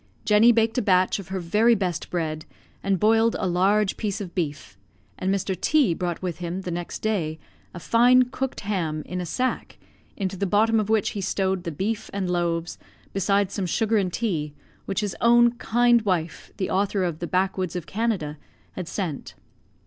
Jenny baked a batch of her very best bread, and boiled a large piece of beef; and Mr. T brought with him, the next day, a fine cooked ham, in a sack, into the bottom of which he stowed the beef and loaves, besides some sugar and tea, which his own kind wife, the author of "the Backwoods of Canada," had sent.